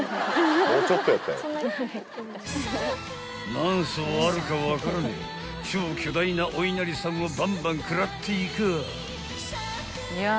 ［何層あるか分からねえ超巨大なおいなりさんをバンバン食らっていかあ！］